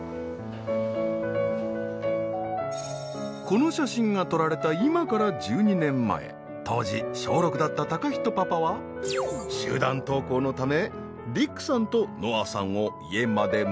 この写真が撮られた今から１２年前当時小６だった貴仁パパは集団登校のため璃育さんと希歩さんを家まで迎えに。